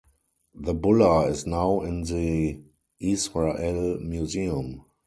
The bulla is now in the Israel Museum.